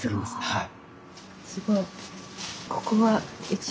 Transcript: はい。